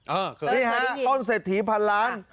เออคือต้นเศรษฐีพันล้านนี่ฮะต้นเศรษฐีพันล้าน